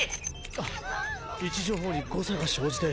あ位置情報に誤差が生じて。